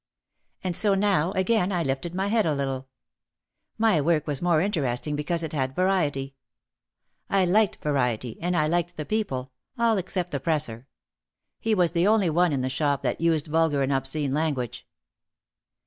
And so now again I lifted my head a little. My work was more interesting because it had variety. I liked variety, and I liked the people, all except the presser. He was the only one in the shop that used vulgar and obscene language.